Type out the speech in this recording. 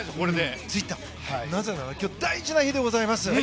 今日は大事な日でございます。